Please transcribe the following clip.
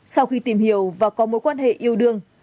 sau khi tìm hiểu và có mối quan hệ yêu đương